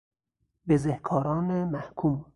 بزهکاران محکوم